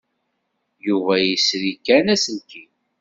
Yuba yesri kan aselkim.